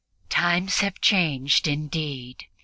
Times have changed indeed.